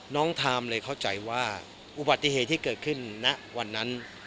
ทามเลยเข้าใจว่าอุบัติเหตุที่เกิดขึ้นณวันนั้น